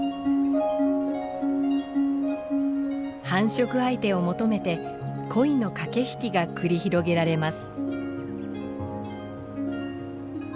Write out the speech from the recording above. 繁殖相手を求めて恋の駆け引きが繰り広げられます。